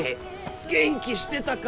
元気してたか？